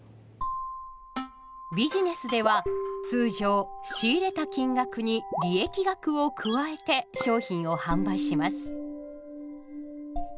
ビジネスでは通常「仕入れた金額」に「利益額」を加えて「商品」を販売します。